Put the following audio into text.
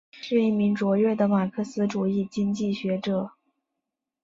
是一名卓越的马克思主义经济学者。